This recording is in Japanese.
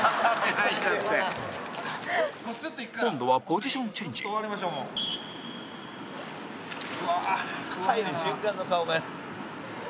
今度はポジションチェンジ山崎：入る瞬間の顔が。